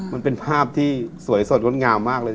มันเป็นภาพที่สวยสดงดงามมากเลย